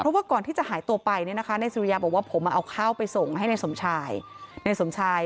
เพราะว่าก่อนที่จะหายตัวไปเนี่ยนะคะนายสุริยาบอกว่าผมเอาข้าวไปส่งให้ในสมชายในสมชาย